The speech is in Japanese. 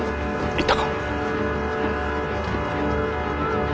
行ったか。